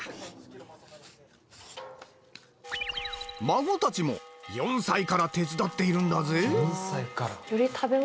孫たちも４歳から手伝っているんだぜ。